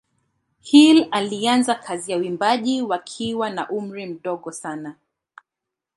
Hill alianza kazi za uimbaji wakiwa na umri mdogo sana.